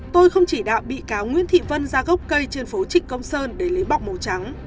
tôi không chỉ đạo bị cáo nguyễn thị vân ra gốc cây trên phố trịnh công sơn để lấy bọc màu trắng